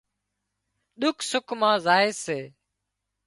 ڏُک سُک مان زائي سي